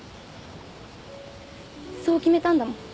そう決めたんだもん。